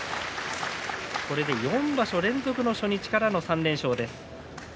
４場所連続の初日からの３連勝です。